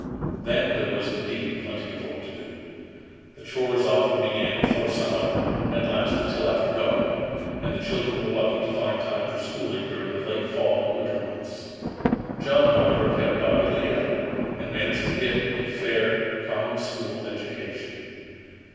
Then there was indeed plenty of work to do. The chores often began before sun up, and lasted till after dark; and the children were lucky to find time for schooling during the late Fall and Winter months. John, however, kept doggedly at it, and managed to get a fair, common school education.